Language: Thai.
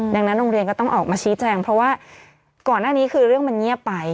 ดังนั้นโรงเรียนก็ต้องออกมาชี้แจงเพราะว่าก่อนหน้านี้คือเรื่องมันเงียบไป